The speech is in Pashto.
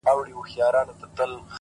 زمـــا د رسـوايـــۍ كــيســه ـ